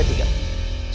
eh itu apa